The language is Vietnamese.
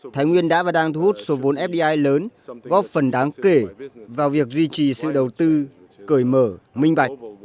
thái nguyên đã và đang thu hút số vốn fdi lớn góp phần đáng kể vào việc duy trì sự đầu tư cởi mở minh bạch